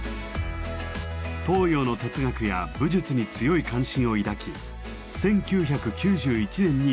東洋の哲学や武術に強い関心を抱き１９９１年に来日。